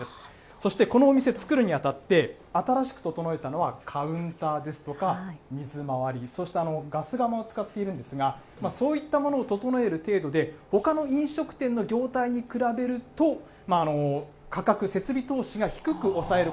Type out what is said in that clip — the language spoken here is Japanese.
そしてこのお店を作るにあたって、新しくととのえたのはカウンターですとか、水まわり、そしてガス窯を使っているんですが、そういったものを整える程度で、ほかの飲食店の業態に比べると、価格、設備投資が低く抑える